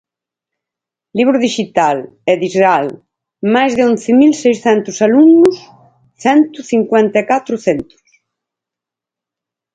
Libro dixital, E-Dixgal, máis de once mil seiscentos alumnos, cento cincuenta e catro centros.